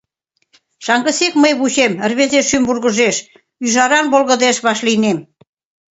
Шаҥгысек мый вучем, Рвезе шӱм вургыжеш, Ӱжаран волгыдеш Вашлийнем.